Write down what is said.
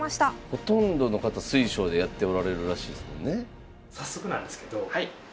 ほんとんどの方水匠でやっておられるらしいですもんね。